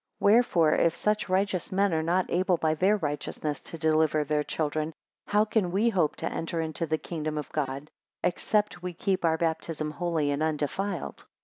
9 Wherefore, if such righteous men are not able by their righteousness to deliver their children; how can we hope to enter into the kingdom of God, except we keep our baptism holy and undefiled?